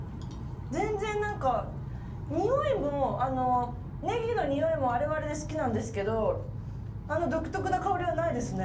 全然何か匂いもあのネギの匂いもあれはあれで好きなんですけどあの独特な香りはないですね。